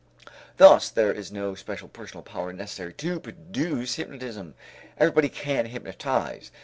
Thus there is no special personal power necessary to produce hypnotism. Everybody can hypnotize.